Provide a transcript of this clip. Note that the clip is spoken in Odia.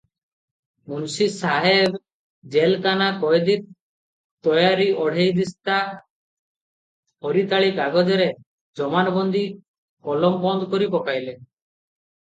ମୁନସି ସାହେବ ଜେଲକାନା କଏଦୀ ତୟାରି ଅଢ଼େଇ ଦିସ୍ତା ହରିତାଳି କାଗଜରେ ଜମାନବନ୍ଦି କଲମବନ୍ଦ କରି ପକାଇଲେ ।